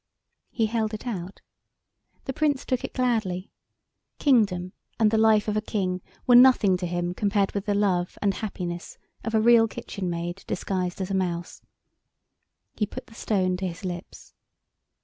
He held it out. The Prince took it gladly. Kingdom and the life of a king were nothing to him compared with the love and happiness of a Real Kitchen Maid disguised as a mouse. He put the stone to his lips.